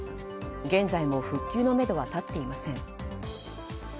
現在も復旧のめどは立っていません。